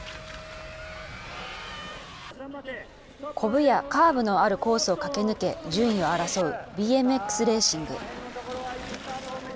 こぶやカーブのあるコースを駆け抜け、順位を争うＢＭＸレーシング。